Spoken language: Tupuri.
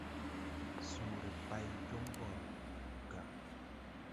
Sõõre bay jon gɔr ga.